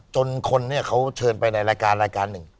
จนคนเขาเชิญไปเราการหนึ่ง